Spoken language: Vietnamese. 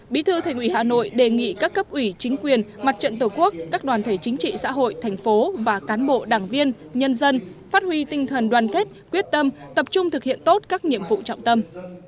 bí thư thành ủy hà nội đề nghị các cấp ủy chính quyền mặt trận tổ quốc các đoàn thể chính trị xã hội thành phố và cán bộ đảng viên nhân dân phát huy tinh thần đoàn kết quyết tâm tập trung thực hiện tốt các nhiệm vụ trọng tâm